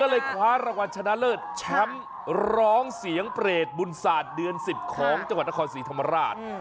ก็เลยคว้ารางวัลชนะเลิศแชมป์ร้องเสียงเปรตบุญศาสตร์เดือน๑๐ของจังหวัดนครศรีธรรมราช